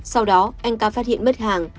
sau đó anh ca phát hiện mất hàng